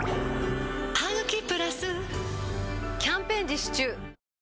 「ハグキプラス」キャンペーン実施中